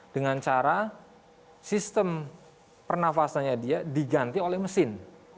dengan cara sistem pernafasannya dia diganti oleh mesin